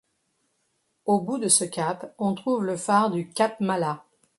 Au bout de ce cap on trouve le phare du cap Mala.